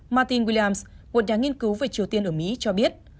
martin williams một đảng nghiên cứu về triều tiên ở mỹ cho biết